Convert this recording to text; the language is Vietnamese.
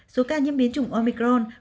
số ca nhiễm biến chủng omicron